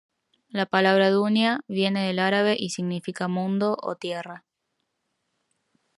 La palabra "Dunia" viene del árabe y significa "mundo" o "tierra".